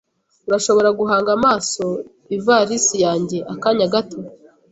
Urashobora guhanga amaso ivarisi yanjye akanya gato?